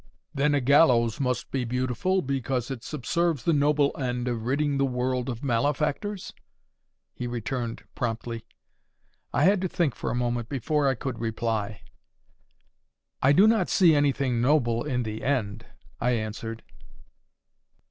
"Then a gallows must be beautiful because it subserves the noble end of ridding the world of malefactors?" he returned, promptly. I had to think for a moment before I could reply. "I do not see anything noble in the end," I answered.